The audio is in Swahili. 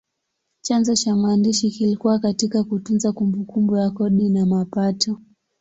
Chanzo cha maandishi kilikuwa katika kutunza kumbukumbu ya kodi na mapato.